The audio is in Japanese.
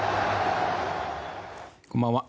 こんばんは。